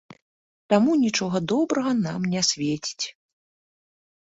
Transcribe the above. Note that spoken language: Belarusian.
Таму нічога добрага нам не свеціць.